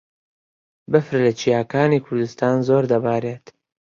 بەفر لە چیاکانی کوردستان زۆر دەبارێت.